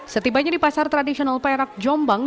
setibanya di pasar tradisional perak jombang